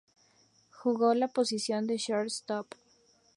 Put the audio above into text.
Jugó la posición de Short Stop.